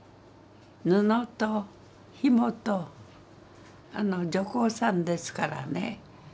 布とひもと女工さんですからね。